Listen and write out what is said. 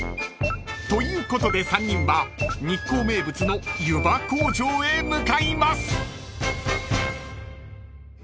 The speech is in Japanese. ［ということで３人は日光名物のゆば工場へ向かいます］